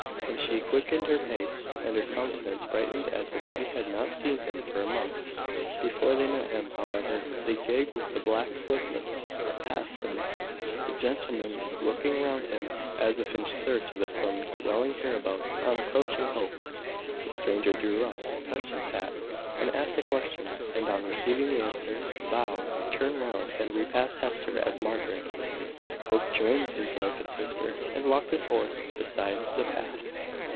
And she quickened her pace, and her countenance brightened as if she had not seen him for a month. Before they met him, however, the gig with the black footman, now containing also a gentleman driving, overtook and slowly passed them the gentleman looking round him, as if in search of some dwelling hereabouts. On approaching Hope, the stranger drew up, touched his hat, and asked a question; and on receiving the answer, bowed, turned round, and repassed Hester and Margaret. Hope joined his wife and sister, and walked his horse beside the path.